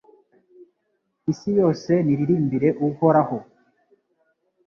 isi yose niririmbire Uhoraho